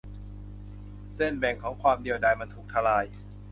เส้นแบ่งของความเดียวดายมันถูกทลาย